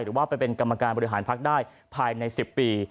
หรือว่าไปเป็นกรรมการบริหารพักได้ภายใน๑๐ปี